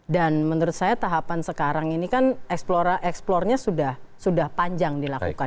dan menurut saya tahapan sekarang ini kan eksplornya sudah panjang dilakukan